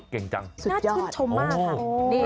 เก่งจังน่าชื่นชมมากค่ะ